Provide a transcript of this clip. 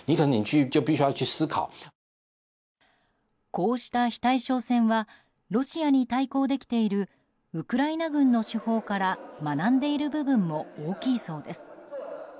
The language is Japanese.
こうした非対称戦はロシアに対抗できているウクライナ軍の手法から学んでいる部分も大きいそうです。